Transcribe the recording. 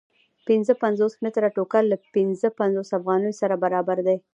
پنځه پنځوس متره ټوکر له پنځه پنځوس افغانیو سره برابر دی